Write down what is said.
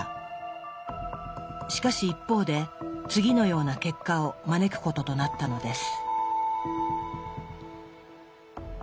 しかし一方で次のような結果を招くこととなったのです。